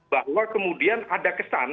bahwa kemudian ada kesan